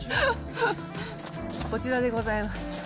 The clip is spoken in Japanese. こちらでございます。